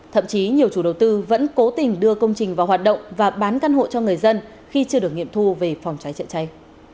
thậm chí nhiều chủ đầu tư vẫn cố tình đưa công trình vào hoạt động và bán căn hộ cho người dân khi chưa được nghiệm thu về phòng cháy chữa cháy